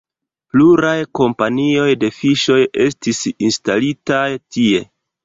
Pluraj kompanioj de fiŝoj estis instalitaj tie.